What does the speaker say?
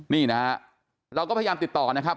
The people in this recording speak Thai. นี่นะฮะเราก็พยายามติดต่อนะครับ